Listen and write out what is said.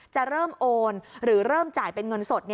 จะเริ่มโอนหรือเริ่มจ่ายเป็นเงินสด